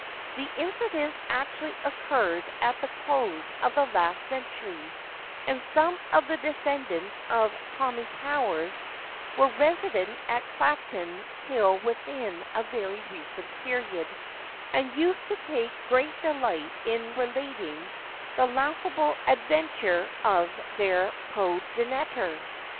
The incidents actually occurred at the close of the last century, and some of the descendants of 'Tommy Towers' were resident at Clapham till within a very recent period, and used to take great delight in relating the laughable adventure of their progenitor.